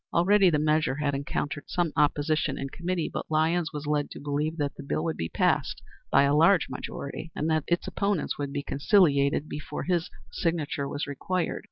Already the measure had encountered some opposition in committee, but Lyons was led to believe that the bill would be passed by a large majority, and that its opponents would be conciliated before his signature was required.